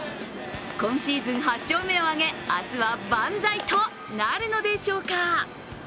今シーズン８勝目を挙げ明日はバンザイとなるのでしょうか。